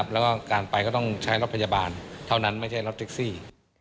แล้วก็การไปก็ต้องใช้รถพยาบาลเท่านั้นไม่ใช่รถแท็กซี่